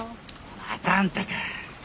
またあんたか。